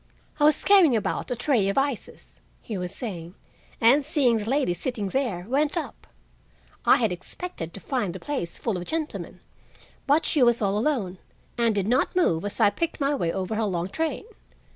"I was carrying about a tray of ices," he was saying, "and seeing the lady sitting there, went up. I had expected to find the place full of gentlemen, but she was all alone, and did not move as I picked my way over her long train.